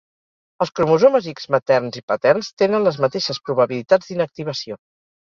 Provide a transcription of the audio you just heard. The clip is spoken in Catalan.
Els cromosomes X materns i paterns tenen les mateixes probabilitats d'inactivació.